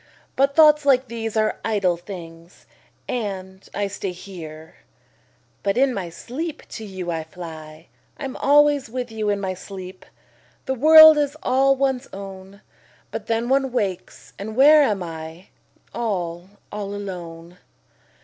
But thoughts like these are idle things, And I stay here. 5 But in my sleep to you I fly: I'm always with you in my sleep! The world is all one's own. But then one wakes, and where am I? All, all alone.